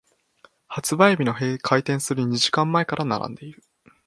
発売日の開店する二時間前から並んでいる。